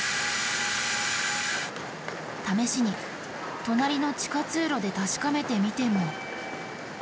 試しに隣の地下通路で確かめてみても。